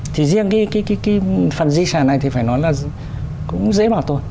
thì riêng cái phần di sản này thì phải nói là cũng dễ bảo tồn